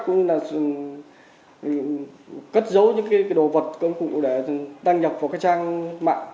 cũng như là cất giấu những đồ vật công cụ để đăng nhập vào trang mạng